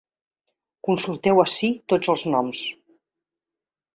Consulteu ací tots els noms.